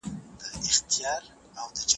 هیچا فکر نه کاوه چې دا مجسمه به دومره قیمتي وي.